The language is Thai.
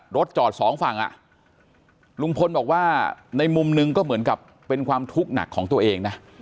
รถจอดสองฝั่งอ่ะลุงพลบอกว่าในมุมหนึ่งก็เหมือนกับเป็นความทุกข์หนักของตัวเองนะ